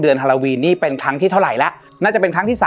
ฮาราวีนนี่เป็นครั้งที่เท่าไหร่แล้วน่าจะเป็นครั้งที่๓